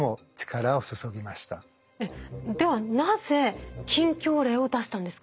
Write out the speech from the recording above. えっではなぜ禁教令を出したんですか？